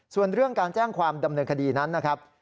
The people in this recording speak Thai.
ส่วนเรื่องการแจ้งความดำเนินคดีนั้นนะครับ